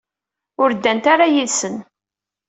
Ur ddant ara yid-sen.